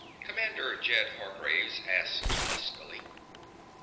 Commander Jed Hargraves asked huskily.